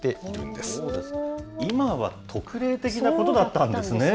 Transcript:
今は特例的なことだったんですね。